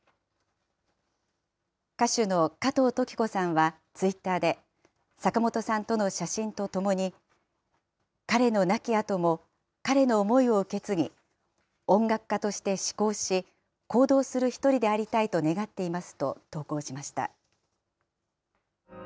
歌手の加藤登紀子さんはツイッターで、坂本さんとの写真とともに、彼の亡き後も彼の思いを受け継ぎ、音楽家として思考し、行動する一人でありたいと願っていますと投稿しました。